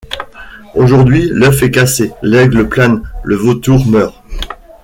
Aujourd’hui l’œuf est cassé, l’aigle plane, le vautour meurt.